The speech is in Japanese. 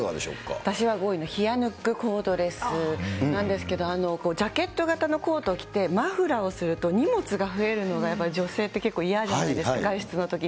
私は５位のひやぬっくコードレスなんですけれども、ジャケット型のコート着て、マフラーをすると荷物が増えるのが、女性って結構嫌なんです、外出のときに。